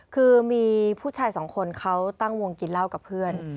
คือมีผู้ชายสองคนเขาตั้งวงกินเหล้ากับเพื่อน